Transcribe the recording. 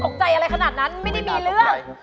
ใจอะไรขนาดนั้นไม่ได้มีเรื่อง